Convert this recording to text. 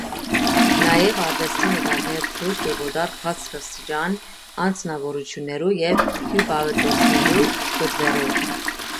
Նաեւ՝ արուեստի նկարներ թուրք եւ օտար բարձրաստիճան անձնաւորութիւններու եւ հիւպատոսներու պտուէրով։